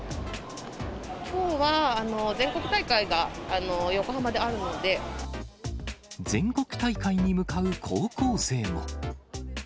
きょうは全国大会が横浜であ全国大会に向かう高校生も。